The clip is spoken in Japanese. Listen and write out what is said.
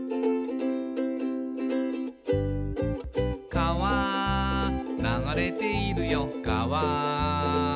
「かわ流れているよかわ」